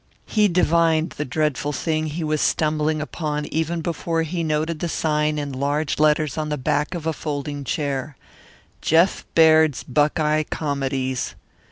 He divined the dreadful thing he was stumbling upon even before he noted the sign in large letters on the back of a folding chair: "Jeff Baird's Buckeye Comedies."